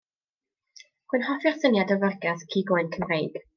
Rwy'n hoffi'r syniad o fyrgars cig oen Cymreig.